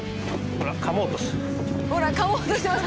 ほらかもうとしてます